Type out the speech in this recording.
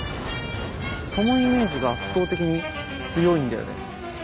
そのイメージが圧倒的に強いんだよね。